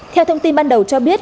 theo thông tin ban đầu cho biết